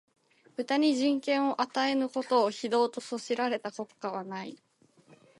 豚に人権を与えぬことを、非道と謗られた国家はない